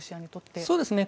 そうですね。